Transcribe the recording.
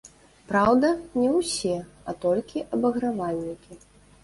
Праўда, не ўсе, а толькі абагравальнікі.